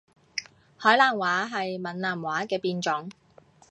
海南話係閩南話嘅變種